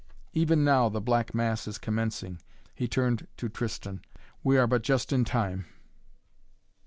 "Even now the Black Mass is commencing," he turned to Tristan. "We are but just in time."